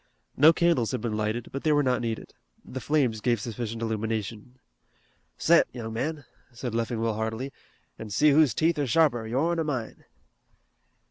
No candles had been lighted, but they were not needed. The flames gave sufficient illumination. "Set, young man," said Leffingwell heartily, "an' see who's teeth are sharper, yourn or mine."